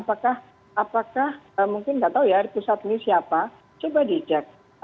apakah mungkin nggak tahu ya pusat ini siapa coba dicek